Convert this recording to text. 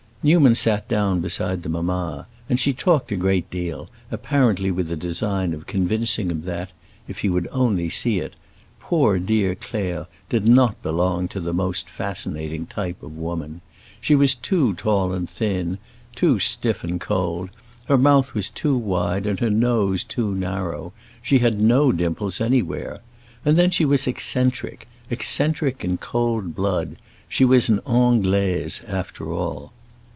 Newman sat down beside the mamma, and she talked a great deal, apparently with the design of convincing him that—if he would only see it—poor dear Claire did not belong to the most fascinating type of woman. She was too tall and thin, too stiff and cold; her mouth was too wide and her nose too narrow. She had no dimples anywhere. And then she was eccentric, eccentric in cold blood; she was an Anglaise, after all.